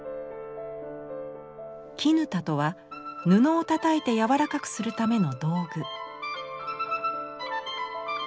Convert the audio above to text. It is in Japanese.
砧とは布をたたいて柔らかくするための道具。